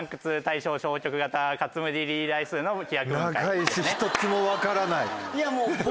長いし一つも分からない。